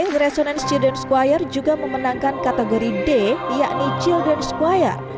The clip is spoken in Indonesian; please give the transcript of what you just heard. the resonance childance choir juga memenangkan kategori d yakni childance choir